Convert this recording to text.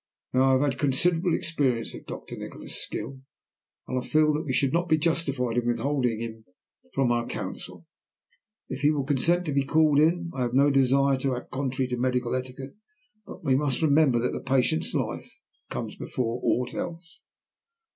Now I have had considerable experience of Doctor Nikola's skill, and I feel that we should not be justified in withholding him from our counsel, if he will consent to be called in. I have no desire to act contrary to medical etiquette, but we must remember that the patient's life comes before aught else."